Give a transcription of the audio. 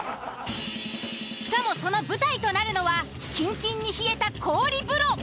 しかもその舞台となるのはキンキンに冷えた氷風呂。